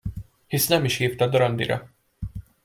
Hisz nem is hívtad randira.